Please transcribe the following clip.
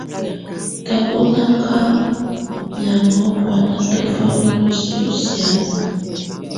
Tabɔnaka mɛaŋɔ́ buana tɔfá mi ndú si ɔ sianə.